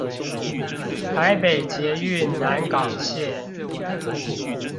台北捷運南港線